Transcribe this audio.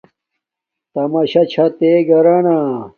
تماشا چھا تے گھرانا